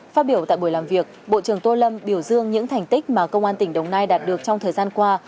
phát biểu tại buổi làm việc bộ trưởng tô lâm biểu dương những thành tích mà công an tỉnh đồng nai đạt được trong thời gian qua